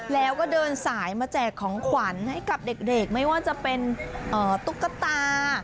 แล้วก็เดินสายมาแจกของขวัญให้กับเด็กไม่ว่าจะเป็นตุ๊กตา